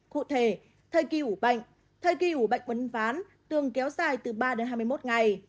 cụ thể thời kỳ ủ bệnh thời kỳ ủ bệnh quấn ván thường kéo dài từ ba đến hai mươi một ngày